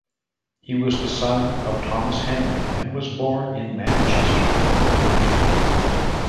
He was the son of Thomas Henry and was born in Manchester England.